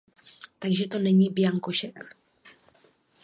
Takže to není bianko šek.